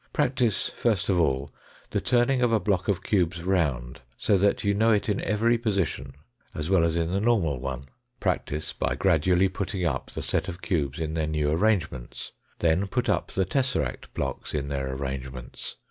Practise, first of all, the turning of a block of cubes round, so that you know it in every position as well as in the normal one. Practise by gradually putting up the set of cubes in their new arrangements. Then put up the tesseract blocks in their arrangements.